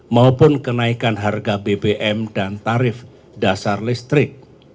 maupun kenaikan harga bbm dan tarif dasar listrik